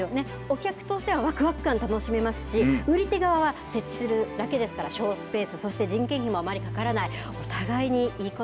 お客としてわくわく感楽しめますし売り手側は設置するだけですから省スペースですし人件費もあまりかからない。